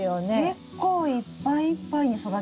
結構いっぱいいっぱいに育ちますね。